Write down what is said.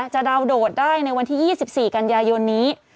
ดาวนโดดได้ในวันที่๒๔กันยายนนี้